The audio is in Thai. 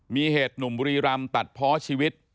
มีเหตุหนุ่มบุรีรำตัดเพาะชีวิต